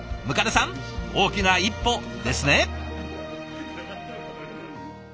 百足さん大きな一歩ですね。